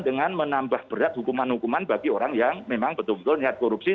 dengan menambah berat hukuman hukuman bagi orang yang memang betul betul niat korupsi